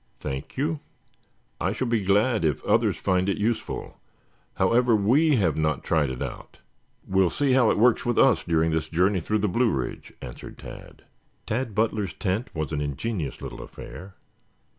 "Thank you. I shall be glad if others find it useful. However, we have not tried it out. We'll see how it works with us during this journey through the Blue Ridge," answered Tad. Tad Butler's tent was an ingenious little affair.